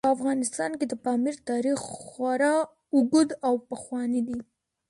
په افغانستان کې د پامیر تاریخ خورا اوږد او پخوانی دی.